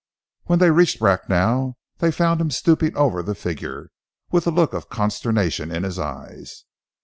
When they reached Bracknell they found him stooping over the figure, with a look of consternation in his eyes.